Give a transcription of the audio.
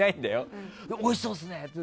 おいしそうですねって。